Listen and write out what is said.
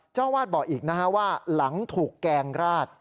เจ้าวาดบอกอีกนะฮะว่าหลังถูกแกงราด